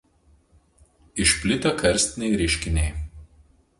Išplitę karstiniai reiškiniai.